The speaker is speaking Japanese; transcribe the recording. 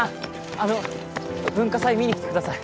あの文化祭見に来てください